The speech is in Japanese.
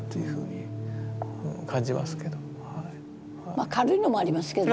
まあ軽いのもありますけどね。